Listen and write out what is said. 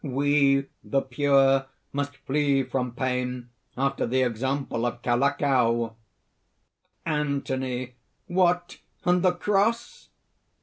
"We, the Pure, must flee from pain, after the example of Kaulakau." ANTHONY. "What! and the cross?"